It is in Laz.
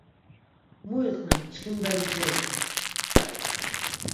Mu iqven çkimda iceri.